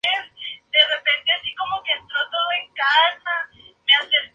Este conjunto de arcos se denomina "línea de playa".